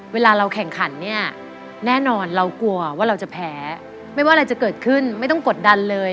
เวลาเราแข่งขันเนี่ยแน่นอนเรากลัวว่าเราจะแพ้ไม่ว่าอะไรจะเกิดขึ้นไม่ต้องกดดันเลย